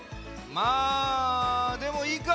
まあでもいいか。